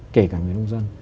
kể cả người nông dân